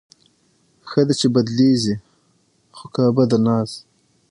ښه ده، چې بدلېږي خو کعبه د ناز